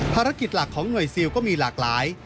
ภารกิจหลักของหน่วยซิลก็มีหลากหลาย